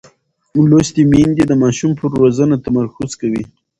لوستې میندې د ماشوم پر روزنه تمرکز کوي.